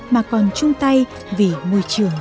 mà còn chung tay vì môi trường